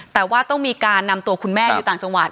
แต่ว่าต้องมีการนำตัวคุณแม่อยู่ต่างจังหวัด